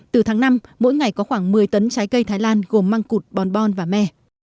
từ tháng năm mỗi ngày có khoảng một mươi tấn trái cây thái lan gồm măng cụt bonbon và me